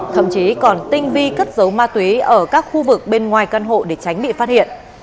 thậm chí còn tinh vi cất giấu ma túy ở các khu vực bên ngoài căn hộ để tránh bị phát hiện